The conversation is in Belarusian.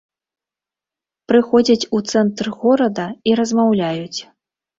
Прыходзяць у цэнтр горада і размаўляюць.